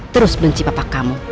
terus benci papa kamu